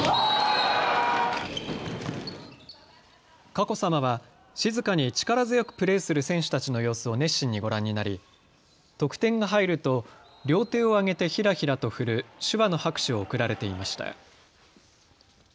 佳子さまは静かに力強くプレーする選手たちの様子を熱心にご覧になり得点が入ると両手を上げてひらひらと振る手話の拍手を送られていました。